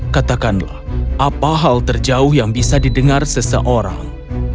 katakanlah apa hal terjauh yang bisa didengar seseorang